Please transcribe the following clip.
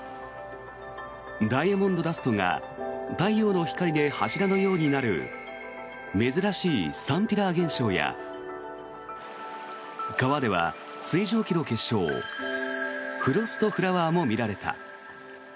ダイヤモンドダストが太陽の光で柱のようになる珍しいサンピラー現象や川では水蒸気の結晶フロストフラワーも見られた。